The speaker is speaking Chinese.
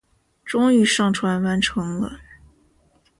终于上传完成了